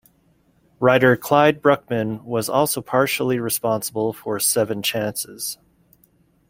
Writer Clyde Bruckman was also partially responsible for "Seven Chances".